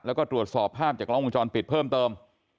แล้วก็ตรวจสอบภาพจากกล้องวงจรปิดเพิ่มเติม